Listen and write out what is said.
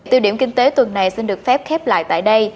từ điểm kinh tế tuần này xin được phép khép lại tại đây